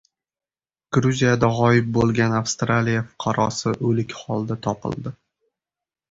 Gruziyada g‘oyib bo‘lgan Avstraliya fuqarosi o‘lik holda topildi